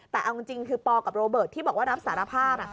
แต่เอาจริงคือปอกับโรเบิร์ตที่บอกว่ารับสารภาพ